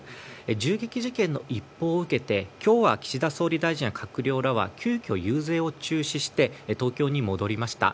銃撃事件の一報を受けて今日は岸田総理大臣ら閣僚らは急きょ遊説を中止して東京に戻りました。